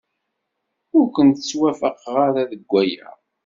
Ur ken-ttwafaqeɣ ara deg waya.